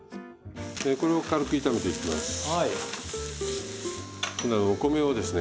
これを軽く炒めていきます。